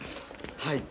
はい。